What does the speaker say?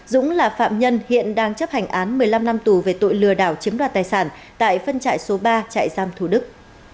dũng là phạm nhân hiện đang chấp hành án một mươi năm năm tù về tội lừa đảo chiếm đoạt tài sản tại phân trại số ba trại giam thủ đức